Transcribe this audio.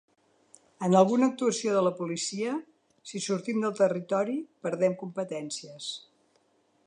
En alguna actuació de la policia, si sortim del territori, perdem competències.